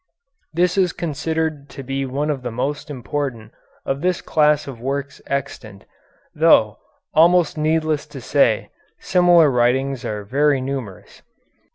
This is considered to be one of the most important of this class of works extant, though, almost needless to say, similar writings are very numerous.